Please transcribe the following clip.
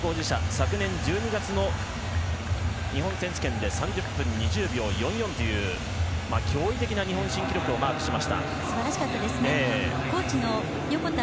昨年１２月の日本選手権で３０分２０秒４４という驚異的な日本新記録をマークしました。